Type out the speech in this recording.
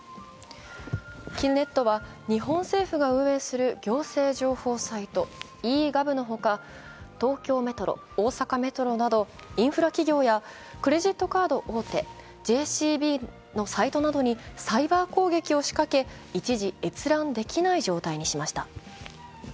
キルネットは日本政府が運営する行政情報サイトｅ−Ｇｏｖのほか東京メトロ、大阪メトロなど、インフラ企業やクレジットカード大手、ＪＣＢのサイトなどにサイバー攻撃を仕掛け、一時、閲覧できない状態にしました。